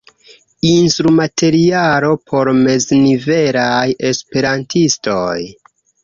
Instrumaterialo por meznivelaj Esperantistoj.